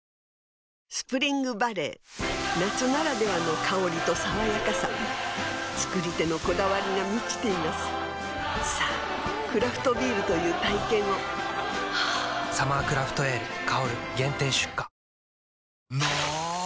スプリングバレー夏ならではの香りと爽やかさ造り手のこだわりが満ちていますさぁクラフトビールという体験を「サマークラフトエール香」限定出荷の！